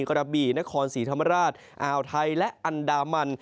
กระบี่นครศรีธรรมราชอ่าวไทยและอันดามัน